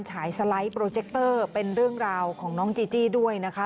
ฉายสไลด์โปรเจคเตอร์เป็นเรื่องราวของน้องจีจี้ด้วยนะคะ